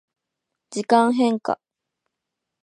時間変化